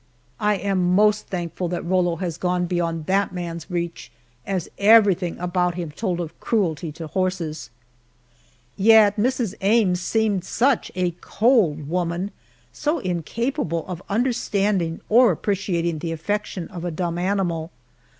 I am most thankful that Rollo has gone beyond that man's reach, as everything about him told of cruelty to horses. Yet, Mrs. Ames seemed such a cold woman so incapable of understanding or appreciating the affection of a dumb animal.